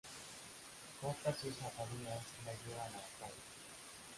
Corta sus ataduras y la lleva a la batalla.